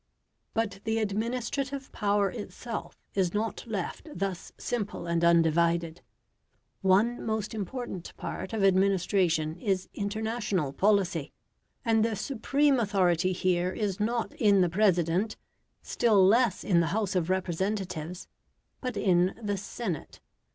But the administrative power itself is not left thus simple and undivided. One most important part of administration is international policy, and the supreme authority here is not in the President, still less in the House of Representatives, but in the Senate.